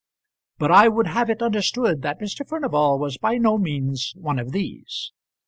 But I would have it understood that Mr. Furnival was by no means one of these.